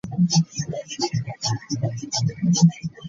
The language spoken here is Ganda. Edda ennyo bajaajjafe baageranga engero.